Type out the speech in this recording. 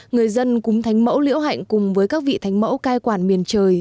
người dân cúng thánh mẫu liễu hạnh cùng với các vị thánh mẫu cai quản miền trời